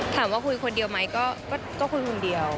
ถามว่าคุยคนเดียวไหมก็คุยคนเดียว